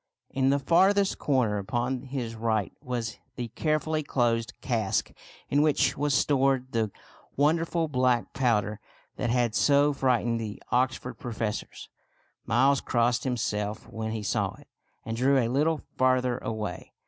In the farthest corner upon his right was the carefully closed cask in which was stored the won FRIAR BACON AND THE BRAZEN HEAD "jy derful black powder that had so frightened the Oxford professors. Miles crossed himself when he saw it, and drew a little farther away.